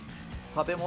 食べ物。